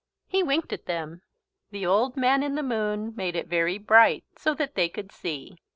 He winked at them. The Old Man in the Moon made it very bright so that they could see.